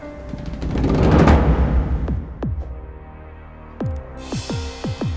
dia sangat menghormati pak alek